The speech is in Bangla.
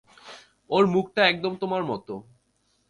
ওর মুখটা একদম তোমার মত।